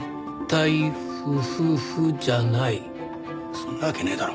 そんなわけねえだろ。